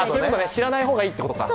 知らない方がいいってことか。